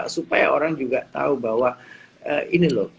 supaya orang juga tahu bahwa ini loh